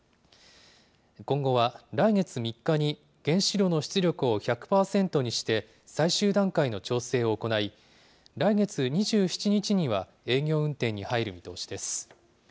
今後は、来月３日に原子炉の出力を１００％にして、最終段階の調整を行い、来月２７日には営業運転に入る見通しです。